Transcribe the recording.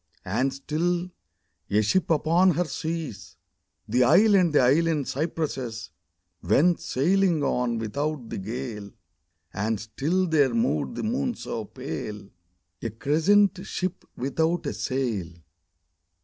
And still, a ship upon her seas, The isle and the island cypresses Went sailing on without the gale : And still there moved the moon so pale, A crescent ship without a sail